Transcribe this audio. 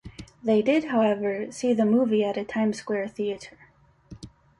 They did, however, see the movie at a Times Square theater.